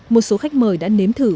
một số khách mời đã nếm thử thử